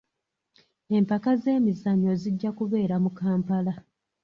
Empaka z'emizannyo zijja kubeera mu Kampala.